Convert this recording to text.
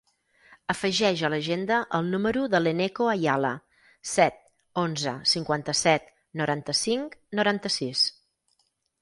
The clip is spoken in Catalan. Afegeix a l'agenda el número de l'Eneko Ayala: set, onze, cinquanta-set, noranta-cinc, noranta-sis.